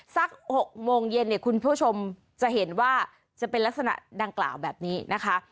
สัก๖โมงเย็นเนี่ยคุณผู้ชมจะเห็นว่าจะเป็นลักษณะดังกล่าวแบบนี้นะคะ